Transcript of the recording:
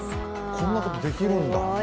こんなことできるんだ。